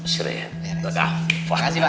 terima kasih pak